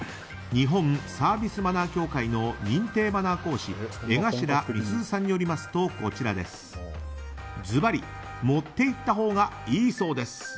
日本サービスマナー協会の認定マナー講師江頭美鈴さんによりますとずばり、持って行ったほうがいいそうです。